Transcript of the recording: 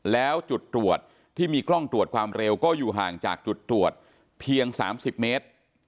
แล้วจุดตรวจที่มีกล้องตรวจความเร็วก็อยู่ห่างจากจุดตรวจเพียง๓๐เมตร